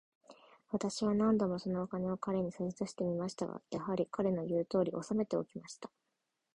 私は何度も、そのお金を彼に差し出してみましたが、やはり、彼の言うとおりに、おさめておきました。